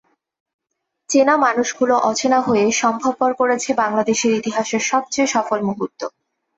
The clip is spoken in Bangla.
চেনা মানুষগুলো অচেনা হয়ে সম্ভবপর করেছে বাংলাদেশের ইতিহাসের সবচেয়ে সফল মুহূর্ত।